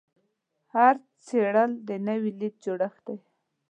هر څیرل د نوې لید جوړښت دی.